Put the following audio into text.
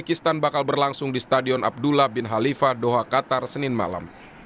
pakistan bakal berlangsung di stadion abdullah bin halifa doha qatar senin malam